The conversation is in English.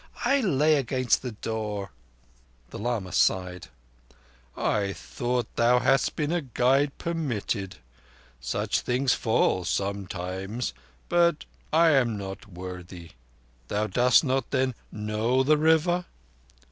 I lay against the door." The lama sighed. "I thought thou hadst been a guide permitted. Such things fall sometimes—but I am not worthy. Thou dost not, then, know the River?"